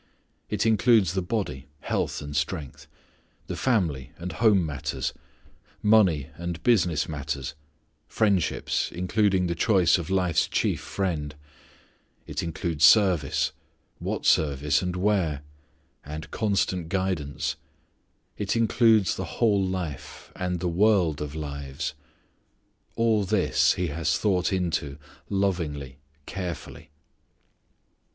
It includes the body, health and strength; the family and home matters; money and business matters; friendships, including the choice of life's chief friend; it includes service, what service and where; and constant guidance; it includes the whole life, and the world of lives. All this He has thought into, lovingly, carefully.